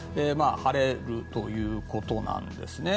晴れるということなんですね。